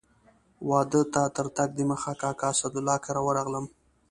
واده ته تر تګ دمخه کاکا اسدالله کره ورغلم.